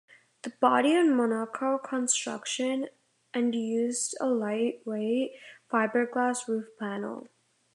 The body was of monocoque construction and used a lightweight fiberglass roof panel.